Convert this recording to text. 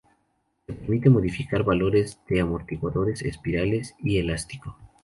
Se permite modificar valores de amortiguadores, espirales y elástico.